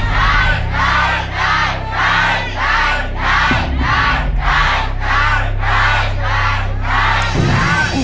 ได้ได้ได้